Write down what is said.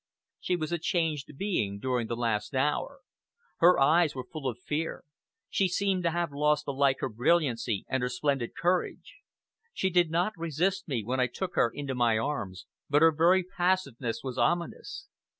She was a changed being during the last hour. Her eyes were full of fear, she seemed to have lost alike her brilliancy and her splendid courage. She did not resist me when I took her into my arms, but her very passiveness was ominous.